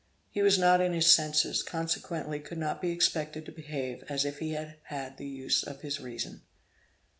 He was not in his senses, consequently could not be expected to behave as if he had had the use of his reason.